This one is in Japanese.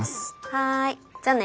はいじゃあね。